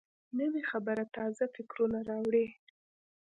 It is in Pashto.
نوې خبرې تازه فکرونه راوړي